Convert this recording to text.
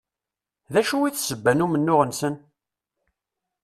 D acu i d ssebba n umennuɣ-nsen?